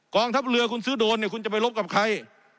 ทัพเรือคุณซื้อโดนเนี่ยคุณจะไปลบกับใคร